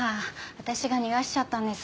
私が逃がしちゃったんです。